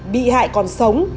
bị hại còn sống